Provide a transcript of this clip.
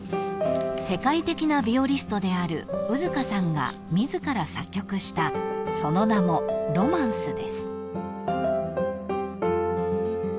［世界的なビオリストである兎束さんが自ら作曲したその名も『ＲＯＭＡＮＣＥ』です］